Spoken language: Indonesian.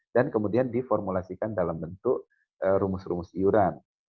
dan kemudian diformulasikan dalam bentuk rumus rumus iuran